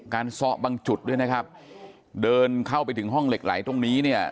ซ้อบางจุดด้วยนะครับเดินเข้าไปถึงห้องเหล็กไหลตรงนี้เนี่ย